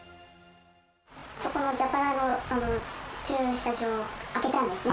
そこの蛇腹の駐車場を開けたんですね。